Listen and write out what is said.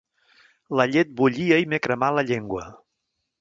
La llet bullia i m'he cremat la llengua.